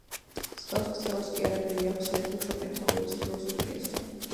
მსგავს ქცევას კი არაფერი აქვს საერთო შოპენჰაუერის ფილოსოფიასთან.